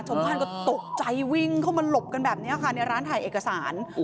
ท่านก็ตกใจวิ่งเข้ามาหลบกันแบบนี้ค่ะในร้านถ่ายเอกสาร